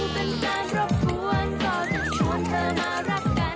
มันก็จะชวนเธอมารักกัน